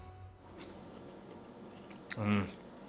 うん。